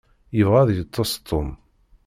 Yebɣa ad yeṭṭeṣ Tom.